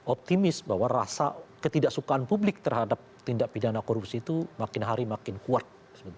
optimis bahwa rasa ketidaksukaan publik terhadap tindak pidana korupsi itu makin hari makin kuat